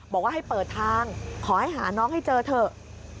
บอกว่าให้เปิดทางขอให้หาน้องให้เจอเถอะ